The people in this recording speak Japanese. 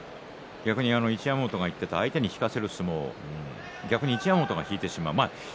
逆に一山本が言っていた相手に引かせる相撲逆に一山本が引いてしまいました。